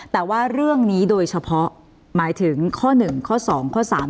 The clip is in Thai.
แต่ว่าเรื่องนี้โดยเฉพาะหมายถึงข้อ๑ข้อ๒ข้อ๓